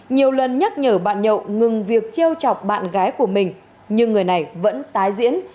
nhiều lần nhắc nhở bạn nhậu ngừng việc treo chọc bạn gái của mình nhưng người này vẫn tái diễn